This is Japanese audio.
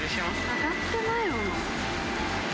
上がってないもの。